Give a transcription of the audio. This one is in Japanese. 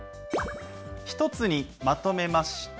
ひとつにまとめました。